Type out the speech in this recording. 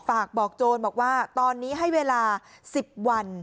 ฝากบอกโจรบอกว่าตอนนี้ให้เวลา๑๐วัน